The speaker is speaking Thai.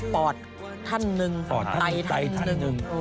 ปอดท่านหนึ่งใจท่านหนึ่ง